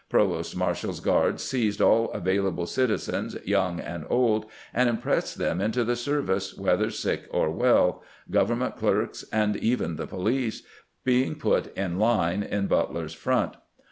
Provost marshal's guards seized all avail able citizens, young and old, and impressed them into the service, whether sick or well — government clerks, and even the police, being put in line in Butler's front.